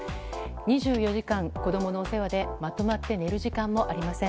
２４時間、子供のお世話でまとまって寝る時間もありません。